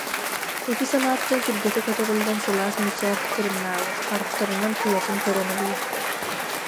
Ити санааттан сүргэтэ көтөҕүллэн сылаас мичээр тырымнаабыт харахтарынан тулатын көрөн ылла